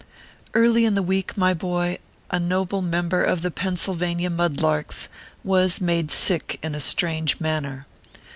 Early in the week, my boy, a noble member of the Pennsylvania Mud larks was made sick in a strange manner.